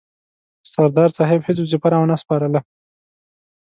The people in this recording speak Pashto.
سردار صاحب هیڅ وظیفه را ونه سپارله.